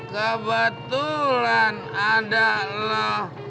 kebetulan ada lo